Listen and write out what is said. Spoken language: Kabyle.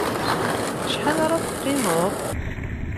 Acḥal ara t-qimeḍ?